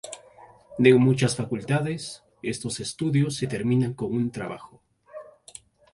En muchas facultades, estos estudios se terminan con un trabajo.